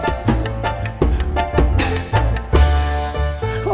gak usah ketawa